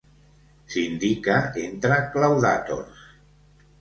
S'indica entre claudàtors.